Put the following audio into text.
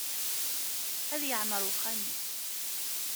Ad yeɛmer uxxam-is.